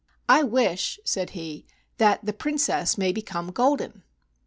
"I wish," said he, "that the Princess may become golden."